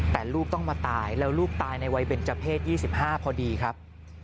แต่ลูกต้องมาตายแล้วลูกตายในวัยเบนเจอร์เพศ๒๕พอดีครับ